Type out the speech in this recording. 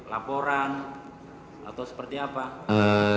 laporan atau seperti apa